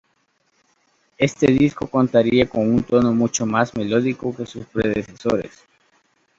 Este disco contaría con un tono mucho más melódico que sus predecesores.